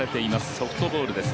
ソフトボールです。